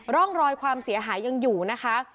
ร่องรอยความเสียหายยังอยู่นะคะ